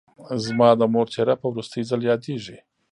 زما د مور څېره په وروستي ځل یادېږي